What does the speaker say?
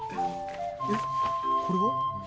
えっこれは？